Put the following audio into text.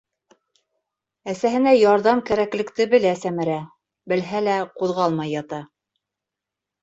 Әсәһенә ярҙам кәрәклекте белә Сәмәрә, белһә лә ҡуҙғалмай ята.